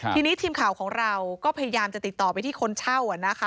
ทีนี้ทีมข่าวของเราก็พยายามจะติดต่อไปที่คนเช่า